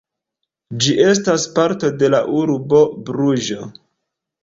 Ĝi estas parto de la urbo Bruĝo.